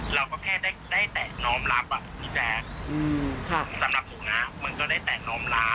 เห็นแอนนาโพสต์บอกว่าสะเทือนใจมาก